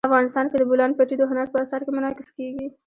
افغانستان کې د بولان پټي د هنر په اثار کې منعکس کېږي.